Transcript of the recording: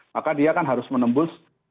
maka dia kan harus menembus